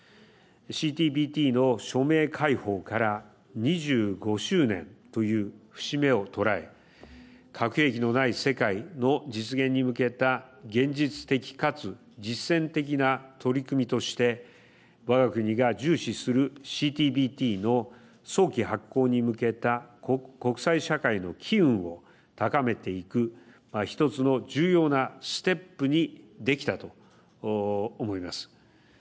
ＣＴＢＴの署名開放から２５周年という節目を捉え核兵器のない世界の実現に向けた現実的かつ実践的な取り組みとしてわが国が重視するＣＴＢＴの早期発効に向けた国際社会の機運を高めていく一つの重要なステップにできたと思います。